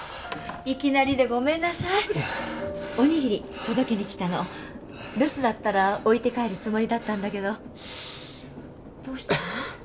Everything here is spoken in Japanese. いきなりでごめんなさいおにぎり届けに来たの留守だったら置いて帰るつもりだったんだけどどうしたの？